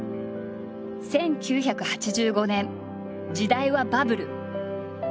１９８５年時代はバブル。